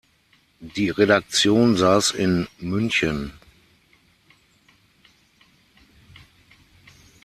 Die Redaktion saß in München.